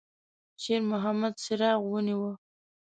شېرمحمد څراغ ونیوه.